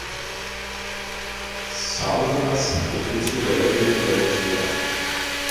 Saugomas Uficių galerijoje Florencijoje.